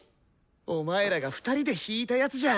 お前らが２人で弾いたやつじゃん！